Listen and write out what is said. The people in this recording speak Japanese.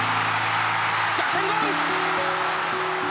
逆転ゴール！